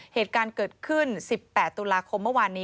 เหตุการณ์เกิดขึ้น๑๘ตุลาคมเมื่อวานนี้